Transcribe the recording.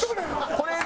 これで。